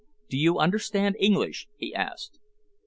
"Do you understand English?" he asked.